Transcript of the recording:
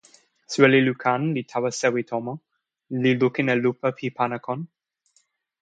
soweli Lukan li tawa sewi tomo, li lukin e lupa pi pana kon.